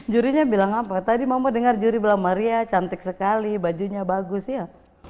jurinya bilang apa tadi mama dengar juri bilang maria cantik sekali bajunya bagus ya